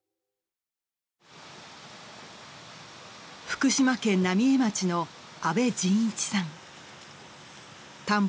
福島県浪江町の阿部仁一さん。